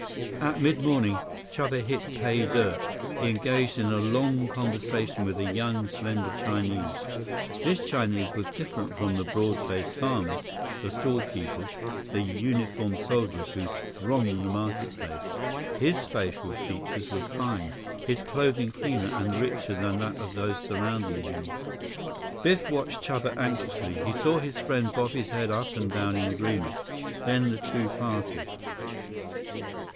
At mid morning, Chuba hit pay dirt. He engaged in a long conversation with a young, slender Chinese. This Chinese was different from the broad faced farmers, the stall keepers, the uniformed soldiers who thronged the market place. His facial features were fine, his clothing cleaner and richer than that of those surrounding him. Biff watched Chuba anxiously. He saw his friend bob his head up and down in agreement, then the two parted.